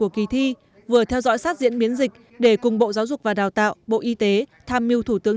kỳ thi vừa theo dõi sát diễn biến dịch để cùng bộ giáo dục và đào tạo bộ y tế tham mưu thủ tướng